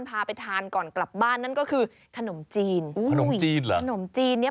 พาไปทานก่อนกลับบ้านนั่นก็คือขนมจีนขนมจีนเหรอขนมจีนเนี้ย